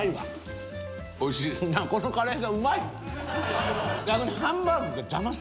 このカレーがうまいもん。